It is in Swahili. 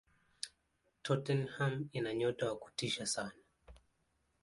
tottenham ina nyota wa kutisha sana